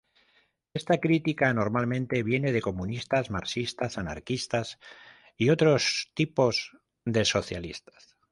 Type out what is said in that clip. Esta critica normalmente viene de comunistas, marxistas, anarquistas y otros tipos de socialistas.